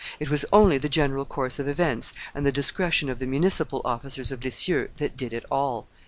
It was only the general course of events and the discretion of the municipal officers of Lisieux that did it all."